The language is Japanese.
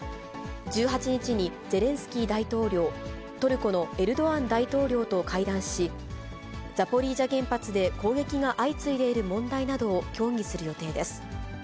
１８日にゼレンスキー大統領、トルコのエルドアン大統領と会談し、ザポリージャ原発で攻撃が相次いでいる問題などを協議する予定です。